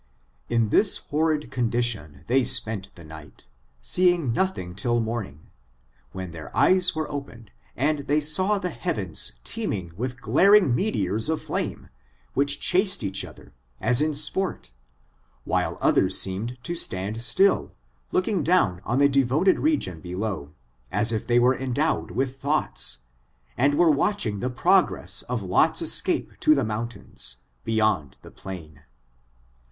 177 In this horrid condition they spent the night, eee* ing nothing till morning, when their eyes were opesH ed, and they saw the heavens teeming with glaring meteors of flame, which diased each other, as in sport, while others seemed to stand still, looking down on the devoted regicm below, «s if they were endowed with thoughts, and were watching the pro gress of Lot's escape to the mountains, beyond ibe plain.